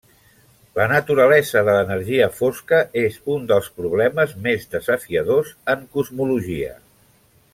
La naturalesa de l'energia fosca és un dels problemes més desafiadors en cosmologia.